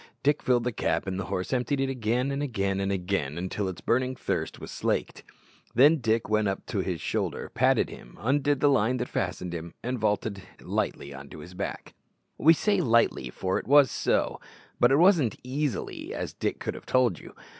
Dick filled the cap and the horse emptied it again, and again, and again, until its burning thirst was slaked. Then Dick went up to his shoulder, patted him, undid the line that fastened him, and vaulted lightly on his back! We say lightly, for it was so, but it wasn't easily, as Dick could have told you!